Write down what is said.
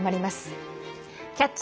「キャッチ！